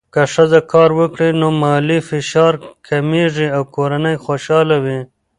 که ښځه کار وکړي، نو مالي فشار کمېږي او کورنۍ خوشحاله وي.